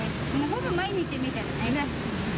ほぼ毎日見てるね。